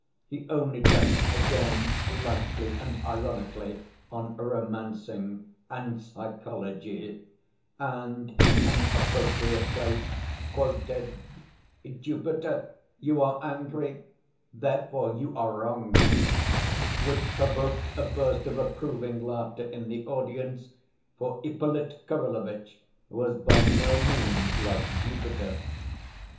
He only touched again, lightly and ironically, on "romancing" and "psychology," and in an appropriate place quoted, "Jupiter, you are angry, therefore you are wrong," which provoked a burst of approving laughter in the audience, for Ippolit Kirillovitch was by no means like Jupiter.